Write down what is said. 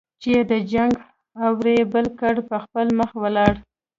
چې د جنګ اور یې بل کړ په خپله مخه ولاړ.